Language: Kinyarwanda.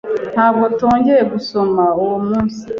Ntabwo twongeye gusoma uwo munsi